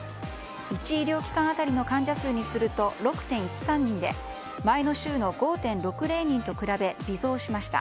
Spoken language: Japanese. １医療機関当たりの患者数にすると６．１３人で前の週の５．６０人に比べ微増しました。